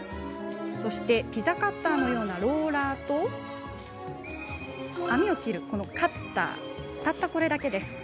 そしてピザカッターのようなローラーと網を切るカッター、たったこれだけ。